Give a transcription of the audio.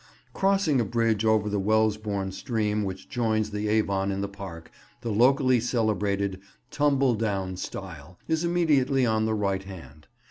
Crossing a bridge over the Wellesbourne stream which joins the Avon in the park, the locally celebrated "Tumble down Stile" is immediately on the right hand.